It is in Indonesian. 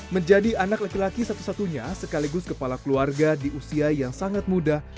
menjadi anak laki laki satu satunya sekaligus kepala keluarga di usia yang sangat muda